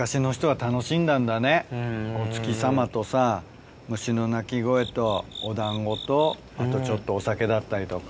お月様とさ虫の鳴き声とお団子とあとちょっとお酒だったりとか。